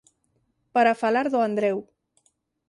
Para falar do Andreu.